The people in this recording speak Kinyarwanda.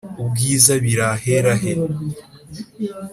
ubwiza biri ahera he